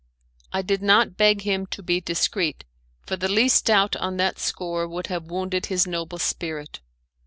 I did not beg him to be discreet, for the least doubt on that score would have wounded his noble spirit.